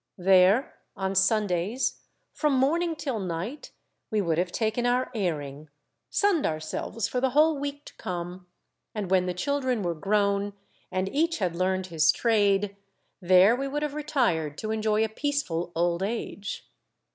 There on Sundays, from morning till night, we would have taken our airing, sunned ourselves for the whole week to come, and when the children were grown, and each had learned his trade, there we would have retired to enjoy a peaceful old age.